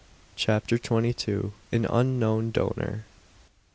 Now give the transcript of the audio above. CHAPTER TWENTY TWO. AN UNKNOWN DONOR.